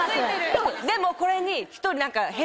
でもこれに。